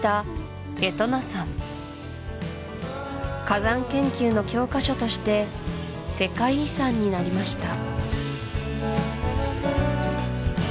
火山研究の教科書として世界遺産になりました